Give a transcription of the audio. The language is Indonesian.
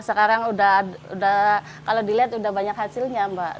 sekarang udah kalau dilihat udah banyak hasilnya mbak